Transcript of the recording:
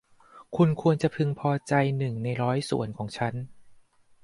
คุณควรจะพึงพอใจหนึ่งในร้อยส่วนของฉัน